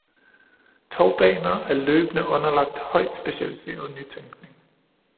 Tovbaner er løbende underlagt højt specialiseret nytænkning.